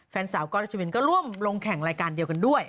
แฟนสาวก้อยรัชวินก็ร่วมลงแข่งรายการเดียวกันด้วย